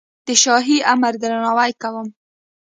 د شاهي امر درناوی کوم.